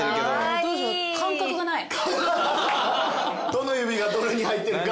どの指がどれに入ってるか？